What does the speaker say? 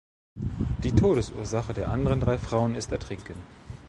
Die Todesursache der anderen drei Frauen ist Ertrinken.